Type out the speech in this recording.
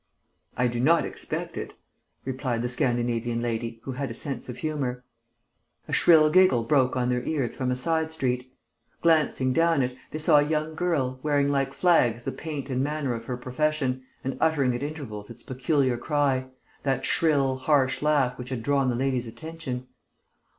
"I do not expect it," replied the Scandinavian lady, who had a sense of humour. A shrill giggle broke on their ears from a side street. Glancing down it, they saw a young girl, wearing like flags the paint and manner of her profession, and uttering at intervals its peculiar cry that shrill, harsh laugh which had drawn the ladies' attention.